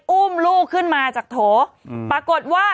อุ้มลูกขึ้นมาจากโถปรากฏว่า